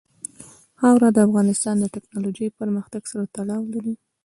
خاوره د افغانستان د تکنالوژۍ پرمختګ سره تړاو لري.